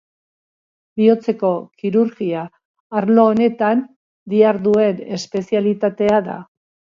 Bihotzeko kirurgia arlo honetan diharduen espezialitatea da.